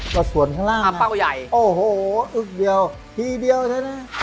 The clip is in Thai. กระส่วนข้างล่างนะอัมเป้าใหญ่โอ้โหอึกเดียวทีเดียวแท้นะ